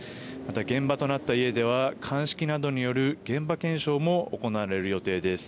現場となった家では鑑識などによる現場検証も行われる予定です。